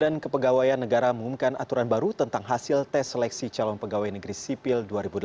dan kepegawaian negara mengumumkan aturan baru tentang hasil tes seleksi calon pegawai negeri sipil dua ribu delapan belas